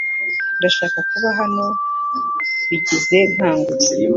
Ndashaka kuba hano Bigize akangutse .